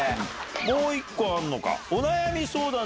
もう１個あんのか。